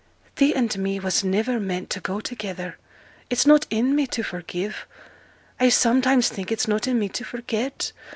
'Thee and me was niver meant to go together. It's not in me to forgive, I sometimes think it's not in me to forget.